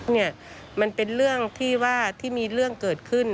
เนี่ยมันเป็นเรื่องที่ว่าที่มีเรื่องเกิดขึ้น